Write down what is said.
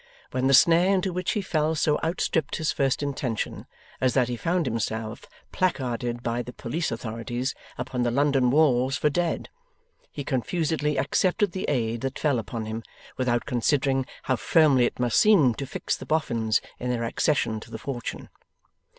When the snare into which he fell so outstripped his first intention as that he found himself placarded by the police authorities upon the London walls for dead, he confusedly accepted the aid that fell upon him, without considering how firmly it must seem to fix the Boffins in their accession to the fortune.